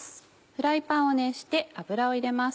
フライパンを熱して油を入れます。